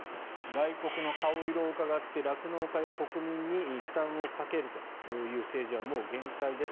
外国の顔色をうかがって酪農家や国民に負担をかけるという政治はもう限界です。